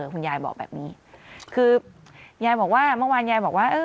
คุณยายบอกแบบนี้คือยายบอกว่าเมื่อวานยายบอกว่า